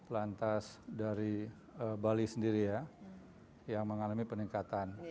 lantas dari bali sendiri ya yang mengalami peningkatan